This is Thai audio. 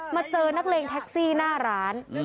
เจอนักเลงแท็กซี่หน้าร้าน